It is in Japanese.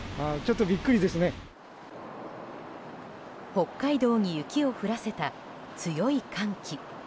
北海道に雪を降らせた強い寒気。